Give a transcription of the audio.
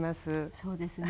そうですね。